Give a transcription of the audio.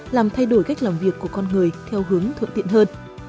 làm thay đổi cách làm việc của con người theo hướng thuận tiện hơn